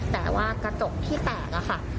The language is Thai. แต่ว่ากระจกที่แตกอะค่ะ